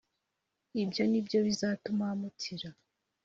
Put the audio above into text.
Ibyo ni byo bizatuma mukira